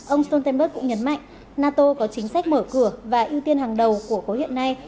ông stoltenberg cũng nhấn mạnh nato có chính sách mở cửa và ưu tiên hàng đầu của khối hiện nay